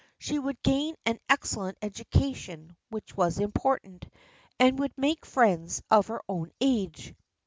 She would gain an excellent education, which was important, and would make friends of her own age.